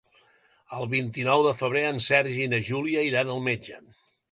El vint-i-nou de febrer en Sergi i na Júlia iran al metge.